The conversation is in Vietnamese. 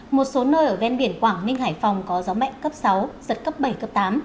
một số nơi ở ven biển quảng ninh hải phòng có gió mạnh cấp sáu giật cấp bảy cấp tám